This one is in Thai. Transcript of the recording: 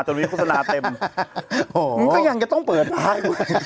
จนมีโศนาเต็มโหมันก็ยังจะต้องเปิดได้